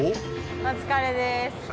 お疲れです。